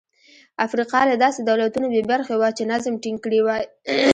افریقا له داسې دولتونو بې برخې وه چې نظم ټینګ کړي وای.